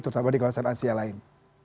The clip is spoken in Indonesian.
terutama di kawasan asia lain